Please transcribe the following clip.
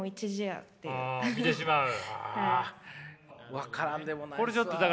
分からんでもないですわ。